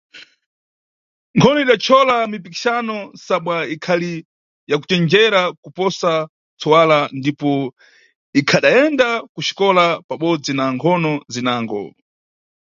Nkhono idachola mpikixano sabwa ikhali yakucenjera kuposa ntsuwala ndipo ikhadayenda ku xikola pabodzi na nkhono zinango.